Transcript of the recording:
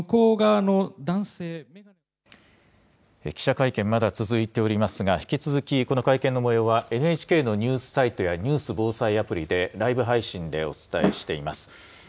記者会見、まだ続いておりますが、引き続きこの会見のもようは、ＮＨＫのニュースサイトやニュース・防災アプリでライブ配信でお伝えしています。